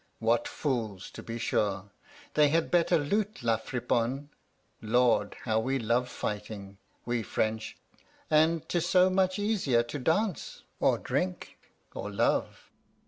What fools, to be sure! They had better loot La Friponne. Lord, how we love fighting, we French! And 'tis so much easier to dance, or drink, or love."